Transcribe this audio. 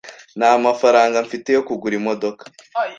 Nta mafaranga mfite yo kugura imodoka.